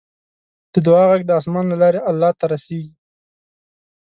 د دعا غږ د اسمان له لارې الله ته رسیږي.